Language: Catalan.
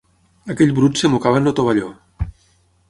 Aquell brut es mocava amb el tovalló.